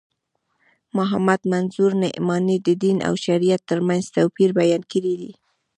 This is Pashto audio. محمد منظور نعماني د دین او شریعت تر منځ توپیر بیان کړی دی.